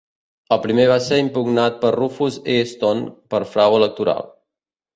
El primer va ser impugnat per Rufus Easton per frau electoral.